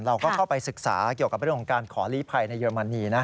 เราก็เข้าไปศึกษาเกี่ยวกับเรื่องของการขอลีภัยในเรมนีนะ